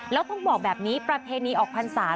แล้วต้องบอกแบบนี้ประเพณีออกพันธุ์ศาสตร์